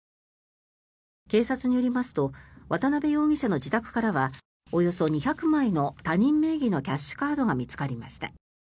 警察によりますと渡邉容疑者の自宅からはおよそ２００枚の他人名義のキャッシュカードが見つかりました。